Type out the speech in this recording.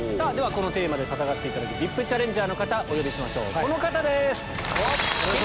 このテーマで戦っていただくＶＩＰチャレンジャーの方お呼びしましょうこの方です！